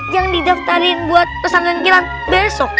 yang didaftarin buat pesan genggilan besok